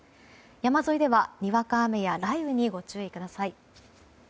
山沿いでは、にわか雨や雷雨にご注意ください。